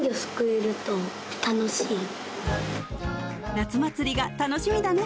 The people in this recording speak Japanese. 夏祭りが楽しみだね